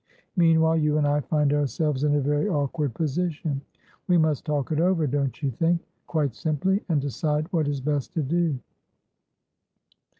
Meanwhile, you and I find ourselves in a very awkward position. We must talk it overdon't you think?quite simply, and decide what is best to do."